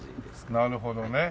あっなるほどね。